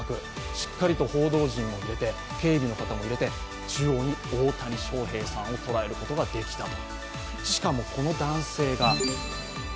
しっかりと報道陣を入れて警備の方を入れて中央に大谷翔平さんをとらえることができたと。